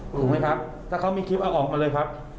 ถูกไหมครับถ้าเขามีคลิปเอาออกมาเลยครับ